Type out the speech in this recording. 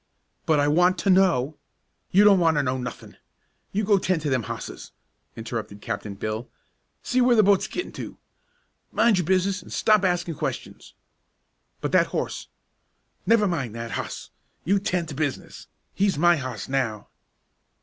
"But I want to know " "You don't want to know nothin'. You go ten' to them hosses," interrupted Captain Bill. "See where the boat's gittin' to. Mind your business and stop asking questions." "But that horse " "Never mind that hoss. You ten' to business. He's my hoss now!"